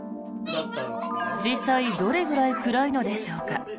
実際どれくらい暗いのでしょうか。